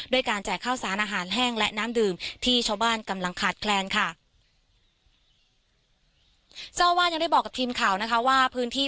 ด้วยการแจกข้าวสารอาหารแห้งและน้ำดื่มที่ชาวบ้านกำลังขาดแคลนค่ะเจ้าว่ายังได้บอกกับทีมข่าวนะคะว่าพื้นที่